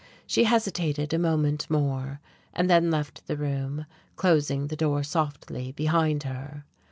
She hesitated a moment more, and then left the room, closing the door softly behind her...